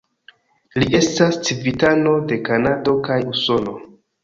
Li estas civitano de Kanado kaj Usono.